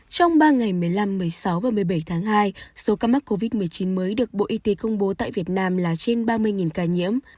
trong ba ngày một mươi năm một mươi sáu và một mươi bảy tháng hai số ca mắc covid một mươi chín mới được bộ y tế công bố tại việt nam là trên ba mươi ca nhiễm